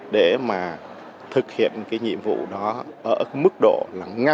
để mà thực hiện cái nhiệm vụ đó ở mức độ là ngang